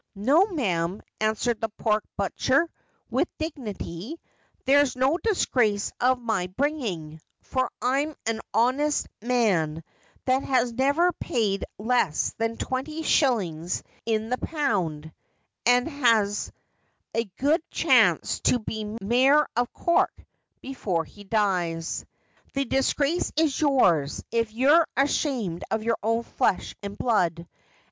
No, ma'am,' answered the pork butcher, with dignity, ' there's no disgrace of my bringing, for I'm an honest man that has never paid less than twenty shillings in the pound, and has a good chance to be Mayor of Cork before he dies. The disgrace is yours, if you're ashamed of your own flesh and blood.